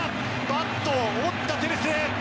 バットを折ったテレス！